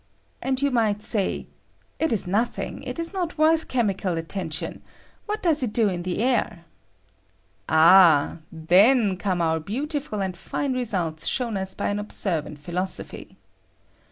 And you might say, " It is nothing ; it is not worth chemical attention ; what does it do in the air ?" Ah 1 then come our beautiful and fine results shown ua by an observant philosophy.